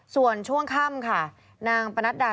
ส่วนช่วงค่ำค่ะนางปนัดดา